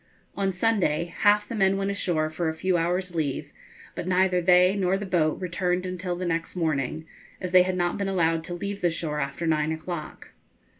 On Sunday half the men went ashore for a few hours' leave, but neither they nor the boat returned until the next morning, as they had not been allowed to leave the shore after nine o'clock.